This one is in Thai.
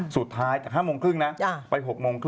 สุดท้ายจาก๕๓๐ไป๖๓๐